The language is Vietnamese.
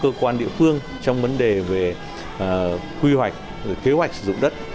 cơ quan địa phương trong vấn đề về quy hoạch kế hoạch sử dụng đất